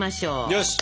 よし！